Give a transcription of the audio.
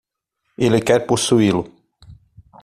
Ele quer possuí-lo.